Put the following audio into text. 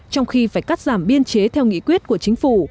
trong khi phải cắt giảm biên chế theo nghị quyết của chính phủ